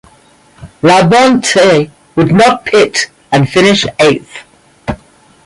Labonte would not pit and finish eighth.